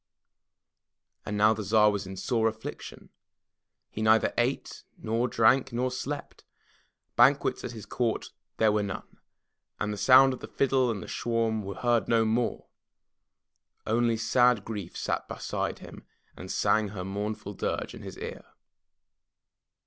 And now the Tsar was in sore afl[liction, he neither ate nor drank nor slept; banquets at his court there were none, and the sound of the fiddle and the shawm was heard no more. Only sad grief sat beside him and sang her mournful dirge in his ear.